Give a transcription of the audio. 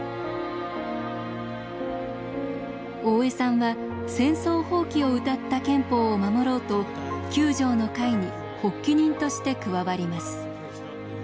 大江さんは戦争放棄をうたった憲法を守ろうと「九条の会」に発起人として加わります。